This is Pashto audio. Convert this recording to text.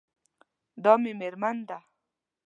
دا مې میرمن ده